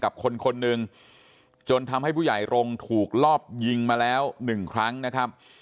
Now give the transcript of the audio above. กับคนคนหนึ่งจนทำให้ผู้ใหญ่รงค์ถูกลอบยิงมาแล้วหนึ่งครั้งนะครับ